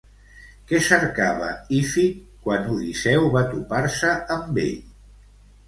Què cercava Ífit quan Odisseu va topar-se amb ell?